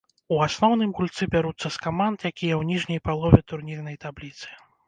У асноўным гульцы бяруцца з каманд, якія ў ніжняй палове турнірнай табліцы.